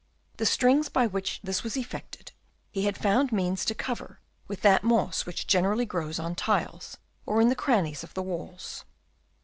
The strings by which this was effected he had found means to cover with that moss which generally grows on tiles, or in the crannies of the walls.